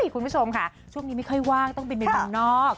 คุณผู้ชมค่ะช่วงนี้ไม่เคยว่างต้องไปเมนต์บนอก